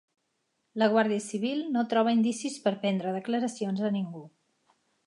La Guàrdia Civil no troba indicis per prendre declaracions a ningú